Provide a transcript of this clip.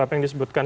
apa yang disebutkan